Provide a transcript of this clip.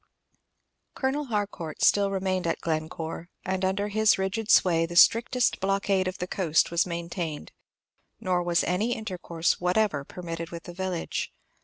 Colonel Harcourt still remained at Glencore, and under his rigid sway the strictest blockade of the coast was maintained, nor was any intercourse whatever permitted with the village.